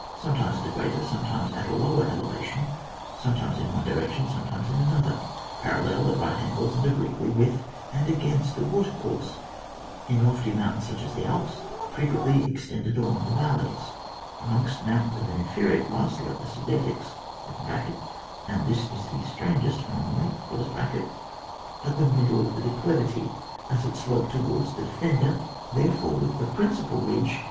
Sometimes at a greater, sometimes at a lower eleva tion ; sometimes in one direction, some times in another; parallel, at right angles, and obliquely ; with and against the watercourse ; in lofty mountains, such as the Alps, frequently extended along the valleys ; amongst mountains of a inferior class, like the Sudetics (and this is the strangest anomaly), at the middle of the declivity, as it sloped towards the de fender, therefore with the principal ridge ^y ■s^w ^^ i^"r 132 0J9 WAR, [book vt.